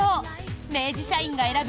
明治社員が選ぶ